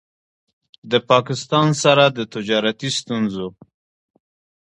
د پاکستان سره د تجارتي ستونځو